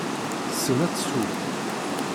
Tessen ad tesseww.